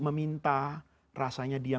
meminta rasanya dia